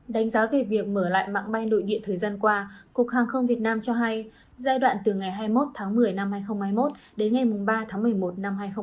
đánh giá về việc mở lại mạng bay nội địa thời gian qua cục hàng không việt nam cho hay giai đoạn từ ngày hai mươi một tháng một mươi năm hai nghìn hai mươi một đến ngày ba tháng một mươi một năm hai nghìn hai mươi ba